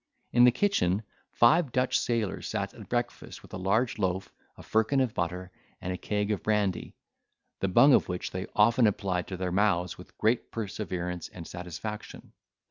In the kitchen, five Dutch sailors sat at breakfast with a large loaf, a firkin of butter, and a keg of brandy, the bung of which they often applied to their mouths with great perseverance and satisfaction.